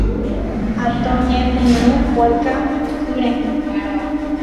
Ha toñepyrũ Polka kyre'ỹ